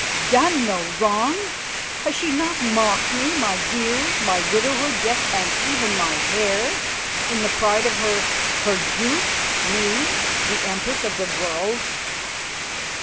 "Done no wrong! Has she not mocked me, my years, my widowhood, yes, and even my hair, in the pride of her her youth, me, the Empress of the World?"